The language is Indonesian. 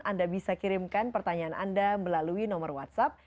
anda bisa kirimkan pertanyaan anda melalui nomor whatsapp